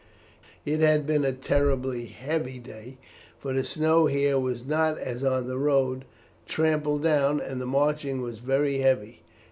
It had been a terribly heavy day, for the snow here was not, as on the road, trampled down, and the marching was very heavy.